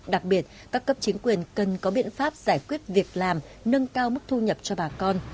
đặc biệt các cấp chính quyền cần có biện pháp giải quyết việc làm nâng cao mức thu nhập cho bà con